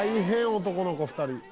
男の子２人。